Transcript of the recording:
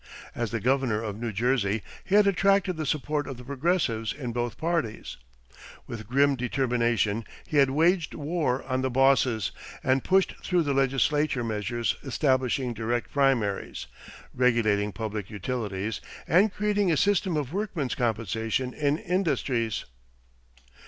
As the governor of New Jersey he had attracted the support of the progressives in both parties. With grim determination he had "waged war on the bosses," and pushed through the legislature measures establishing direct primaries, regulating public utilities, and creating a system of workmen's compensation in industries.